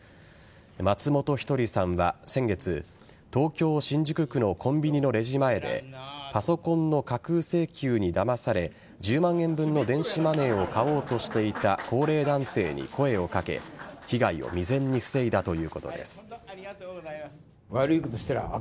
松本一人さんは先月東京・新宿区のコンビニのレジ前でパソコンの架空請求にだまされ１０万円分の電子マネーを買おうとしていた高齢男性に声を掛け被害を未然に防いだということです。